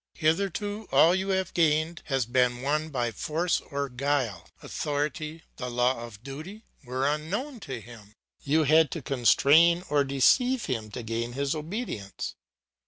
Hitherto all you have gained has been won by force or guile; authority, the law of duty, were unknown to him, you had to constrain or deceive him to gain his obedience.